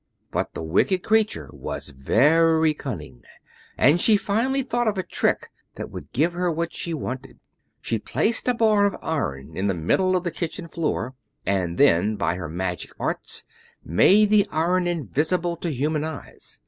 But the wicked creature was very cunning, and she finally thought of a trick that would give her what she wanted. She placed a bar of iron in the middle of the kitchen floor, and then by her magic arts made the iron invisible to human eyes.